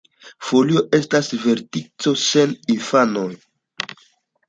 Folio estas vertico sen infanoj.